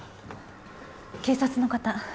警察の方。